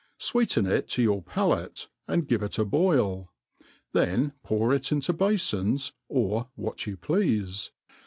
Sweeten it to your palate, and give it a boil; then pQur it into bafons, or what you pleafe.